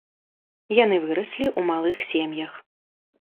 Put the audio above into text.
Яны выраслі ў малых сем'ях.